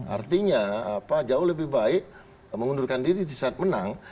artinya jauh lebih baik mengundurkan diri saat menang